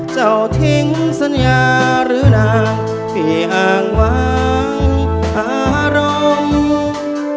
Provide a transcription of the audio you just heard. เจ้าทิ้งสัญญาหรือนางที่ห่างวางอารมณ์